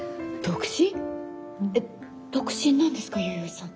えっ独身なんですか弥生さん。